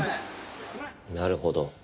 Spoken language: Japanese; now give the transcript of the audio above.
なるほど。